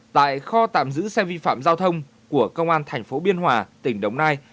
tại kho tạm giữ xe vi phạm giao thông của công an thành phố biên hòa